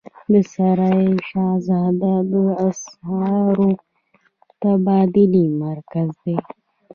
د سرای شهزاده د اسعارو تبادلې مرکز دی